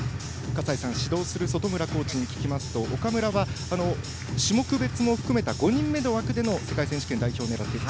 指導するコーチに聞くと岡村は種目別も含めた５人目の枠での世界選手権代表を狙っている。